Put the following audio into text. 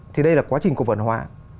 thì đây là quá trình của vận hòa